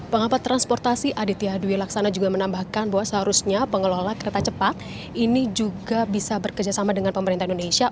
pengamat transportasi aditya dwi laksana juga menambahkan bahwa seharusnya pengelola kereta cepat ini juga bisa bekerjasama dengan pemerintah indonesia